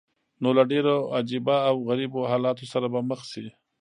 نو له ډېرو عجیبه او غریبو حالاتو سره به مخ شې.